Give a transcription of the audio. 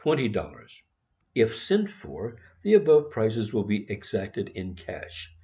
00 If sent for, the above prices will be exacted in cash.